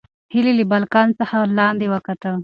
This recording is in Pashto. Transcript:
هیلې له بالکن څخه لاندې وکتل.